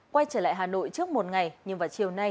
quay trở lại hà nội trước một ngày nhưng vào chiều nay